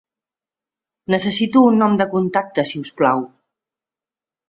Necessito un nom de contacte, si us plau.